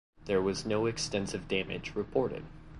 There was no extensive damage reported.